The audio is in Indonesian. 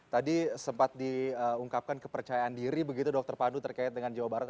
tadi sempat diungkapkan kepercayaan diri begitu dokter pandu terkait dengan jawa barat